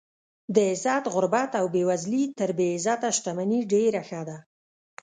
د عزت غربت او بې وزلي تر بې عزته شتمنۍ ډېره ښه ده.